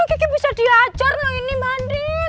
gigi bisa diajar loh ini mbak andin